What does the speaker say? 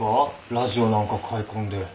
ラジオなんか買い込んで。